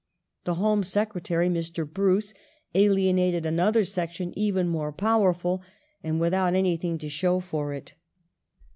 The Home Secretary, Mr. Bruce, alienated another section even more powerful, and without anything to show for it.